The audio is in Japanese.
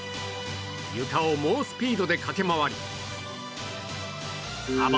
床を猛スピードで駆け回り幅